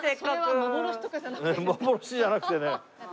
幻じゃなくてね。